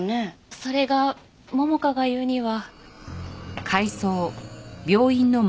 それが桃香が言うには。